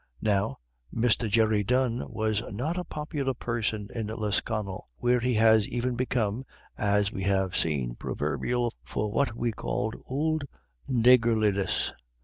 Now, Mr. Jerry Dunne was not a popular person in Lisconnel, where he has even become, as we have seen, proverbial for what we call "ould naygurliness."